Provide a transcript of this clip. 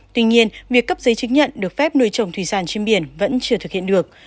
tuy nhiên việc cấp giấy chứng nhận được phép nuôi trồng thủy sản trên biển vẫn chưa thực hiện được